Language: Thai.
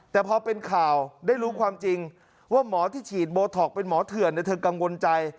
แต่พอเป็นข่าวได้รู้ความจริงว่าหมอที่ฉีดโบท็อกเป็นหมอเถื่อนเธอกังวลใจ